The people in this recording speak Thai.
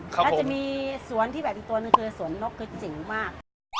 แล้วจะมีสวนที่แบบอีกตัวหนึ่งคือสวนนกคือเจ๋งมาก